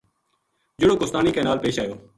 جہڑو کوہستانی کے نال پیش آیو